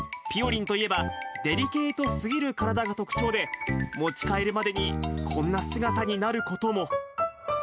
りんといえば、デリケートすぎる体が特徴で、持ち帰るまでに、こんな姿になることも。